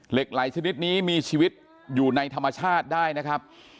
เหล็กไหลชนิดนี้มีชีวิตอยู่ในธรรมชาติได้นะครับ